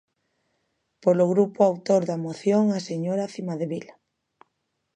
Polo grupo autor da moción, a señora Cimadevila.